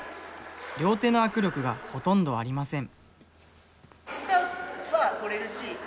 両手の握力がほとんどありません。